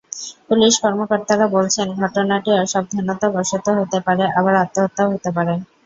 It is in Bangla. পুলিশ কর্মকর্তারা বলছেন, ঘটনাটি অসাবধানতাবশত হতে পারে, আবার আত্মহত্যাও হতে পারে।